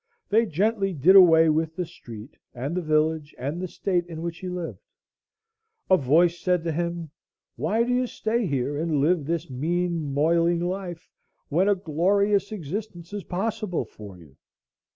They gently did away with the street, and the village, and the state in which he lived. A voice said to him,—Why do you stay here and live this mean moiling life, when a glorious existence is possible for you?